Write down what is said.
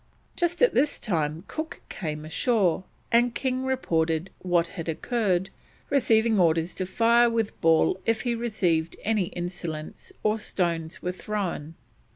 Just at this time Cook came ashore, and King reported what had occurred, receiving orders to fire with ball if he received any insolence or stones were thrown.